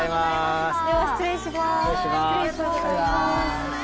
では失礼します。